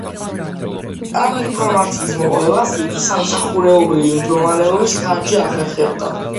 ამ ინფორმაციის მოპოვებას იგი სამსახურეობრივი მდგომარეობის ხარჯზე ახერხებდა.